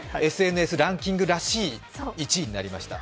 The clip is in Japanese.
ＳＮＳランキングらしい１位になりました。